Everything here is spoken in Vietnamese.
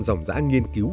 dòng giã nghiên cứu